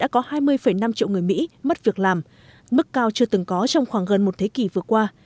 có hai mươi năm triệu người mỹ mất việc làm mức cao chưa từng có trong khoảng gần một thế kỷ vừa qua